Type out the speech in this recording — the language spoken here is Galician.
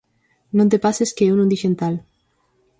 Non te pases que eu non dixen tal